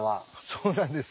そうなんです。